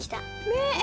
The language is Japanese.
ねえ！